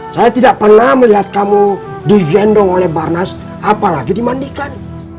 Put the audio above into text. saya tidak pernah melihat kamu digendong oleh barnas apalagi dimandikan